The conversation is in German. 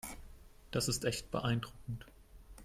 Das ist echt beeindruckend.